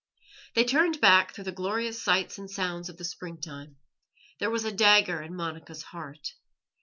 They turned back through the glorious sights and sounds of the springtime; there was a dagger in Monica's heart.